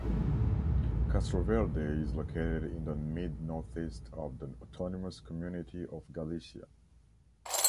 Castroverde is located in the mid-northeast of the autonomous community of Galicia.